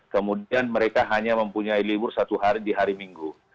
kemudian mereka hanya mempunyai libur satu hari di hari minggu